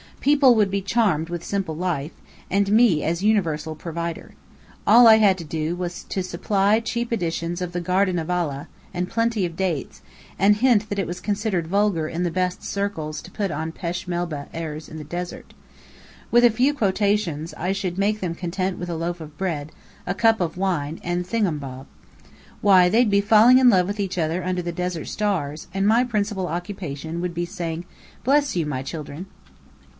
People would be charmed with simple life, and me as universal provider. All I had to do was to supply cheap editions of "The Garden of Allah," and plenty of dates; and hint that it was considered vulgar in the Best Circles to put on Pêche Melba airs in the desert. With a few quotations, I should make them content with a loaf of bread, a cup of wine, and Thing um Bob. Why, they'd be falling in love with each other under the desert stars, and my principal occupation would be saying, "Bless you, my children!"